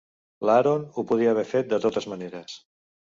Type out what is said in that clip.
L'Aaron ho podia haver fet de totes maneres.